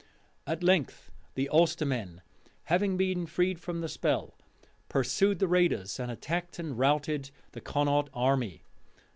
At length, the Ulstermen, having been freed from the spell, pursued the raiders, and attacked and routed the Connaught army.